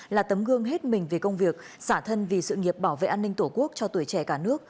là tấm gương hết mình về công việc xả thân vì sự nghiệp bảo vệ an ninh tổ quốc cho tuổi trẻ cả nước